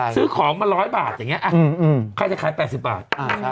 ซื้อของมา๑๐๐บาทอย่างนี้ใครจะขาย๘๐บาท